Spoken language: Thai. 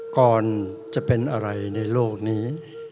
ก่อนจะเป็นอะไรในโลกนี้